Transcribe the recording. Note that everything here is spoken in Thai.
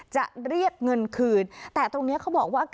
จะเรียกเงินคืนแต่ตรงนี้เขาบอกว่า